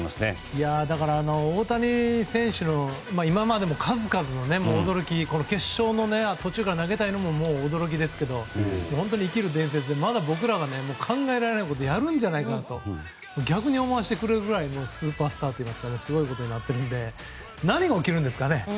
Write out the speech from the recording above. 大谷選手の今までの数々の驚き決勝の途中から投げたのも驚きですが本当に生きる伝説でまだ僕らが考えられないことをやるんじゃないかなと逆に思わせてくれるくらいのスーパースターというかすごいことになっているので何が起きるんですかね。